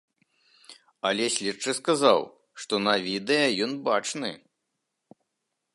Але следчы сказаў, што на відэа ён бачны.